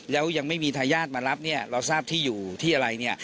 แล้วยังไม่มีทายาทมารับเนี่ยเราทราบที่อยู่ที่อะไรเนี่ย